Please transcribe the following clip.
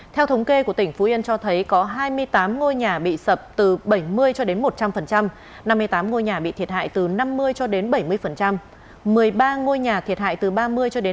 theo thống kê của tỉnh phú yên cho thấy có hai mươi tám ngôi nhà bị sập từ bảy mươi cho đến một trăm linh năm mươi tám ngôi nhà bị thiệt hại từ năm mươi cho đến bảy mươi một mươi ba ngôi nhà thiệt hại từ ba mươi